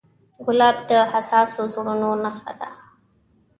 ګلاب د حساسو زړونو نښه ده.